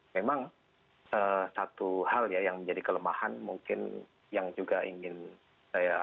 memang satu hal yang menjadi kelemahan mungkin yang juga ingin saya usulkan juga adalah bahwa